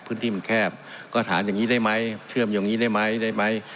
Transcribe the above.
พื้นที่มันแคบก็ถามอย่างนี้ได้ไหมเชื่อมอย่างนี้ได้ไหมได้ไหม